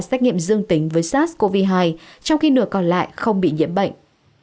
xét nghiệm dương tính với sars cov hai trong khi nửa còn lại không bị nhiễm bệnh